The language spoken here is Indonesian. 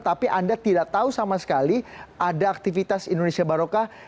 tapi anda tidak tahu sama sekali ada aktivitas indonesia barokah